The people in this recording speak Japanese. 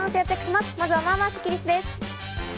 まずは、まあまあスッキりすです。